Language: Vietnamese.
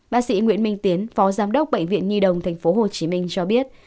bác sĩ nguyễn minh tiến phó giám đốc bệnh viện nhi đồng tp hcm cho biết